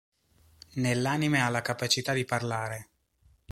Nell'anime ha la capacità di parlare.